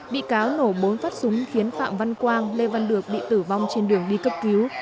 bị cáo nổ bốn phát súng khiến phạm văn quang lê văn được bị tử vong trên đường đi cấp cứu